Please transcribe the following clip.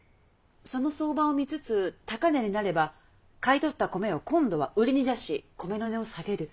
その相場を見つつ高値になれば買い取った米を今度は売りに出し米の値を下げる。